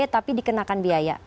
tapi dikenakan biaya